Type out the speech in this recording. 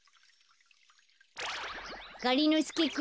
がりのすけくん。